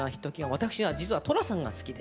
私は実は寅さんが好きで。